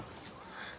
あ。